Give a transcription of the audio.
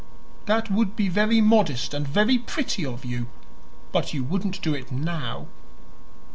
"That would be very modest and very pretty of you; but you wouldn't do it now."